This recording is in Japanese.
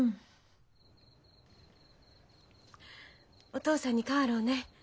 お父さんに代わろうね。